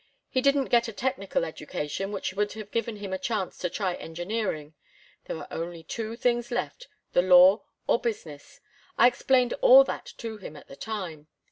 He didn't get a technical education, which would have given him a chance to try engineering. There were only two things left the law or business. I explained all that to him at the time.